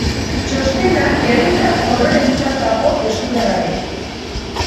Txostena herritar ororentzat dago eskuragarri.